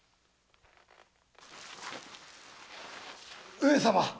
上様。